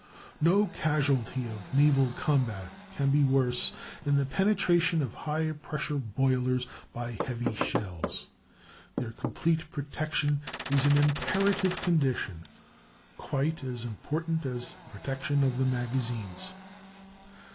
No casualty of naval combat can be worse than the penetration of high pressure boilers by heavy shells. Their complete protection is an imperative condition, quite as important as the protection of the magazines.